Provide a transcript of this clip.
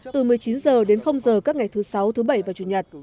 từ một mươi chín giờ đến giờ các ngày thứ sáu thứ bảy và chủ nhật